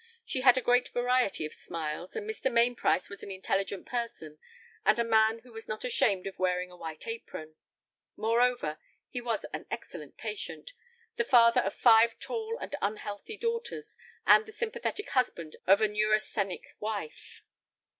She had a great variety of smiles, and Mr. Mainprice was an intelligent person, and a man who was not ashamed of wearing a white apron. Moreover, he was an excellent patient, the father of five tall and unhealthy daughters, and the sympathetic husband of a neurasthenic wife.